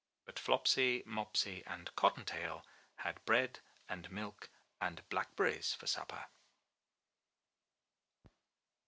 '* But Flopsy, Mopsy and Cottontail had bread and milk and blackberries for supper.